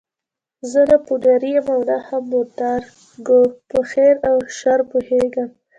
زه نه پوډري یم او نه هم مرده ګو، په خیر او شر پوهېږم.